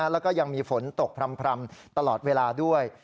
แล้วก็ยังมีฝนตกพร่ำตลอดเวลาด้วย